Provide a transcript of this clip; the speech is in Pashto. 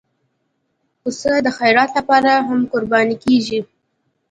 پسه د خیرات لپاره هم قرباني کېږي.